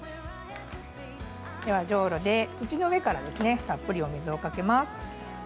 では、じょうろで土の上からたっぷりお水をかけます。